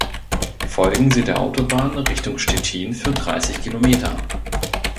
Folgen Sie der Autobahn Richtung Stettin für dreißig Kilometer.